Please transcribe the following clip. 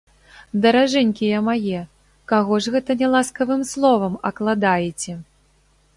Даражэнькія мае, каго ж гэта няласкавым словам акладаеце?